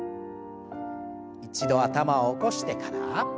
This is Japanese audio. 一度頭を起こしてから。